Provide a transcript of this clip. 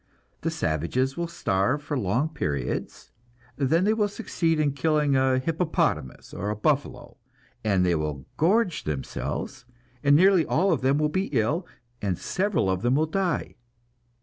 The savages will starve for long periods, then they will succeed in killing a hippopotamus or a buffalo, and they will gorge themselves, and nearly all of them will be ill, and several of them will die.